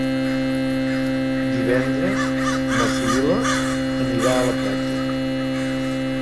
Divendres na Sibil·la anirà a la platja.